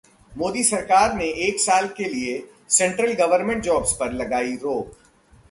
मोदी सरकार ने एक साल के लिए सेंट्रल गवर्मेंट जॉब्स पर लगाई रोक